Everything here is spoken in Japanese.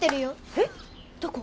えっどこ？